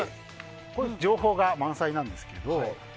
これは情報が満載なんですけど。